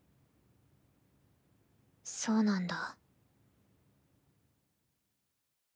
そうなんだ。